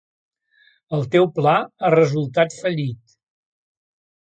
El teu pla ha resultat fallit.